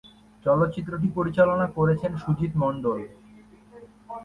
চলচ্চিত্রটি পরিচালনা করেছেন সুজিত মন্ডল।